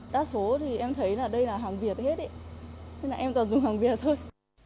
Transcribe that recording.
đa số thì em thấy là đây là hàng việt hết thế là em còn dùng hàng việt thôi